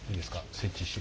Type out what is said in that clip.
設置して。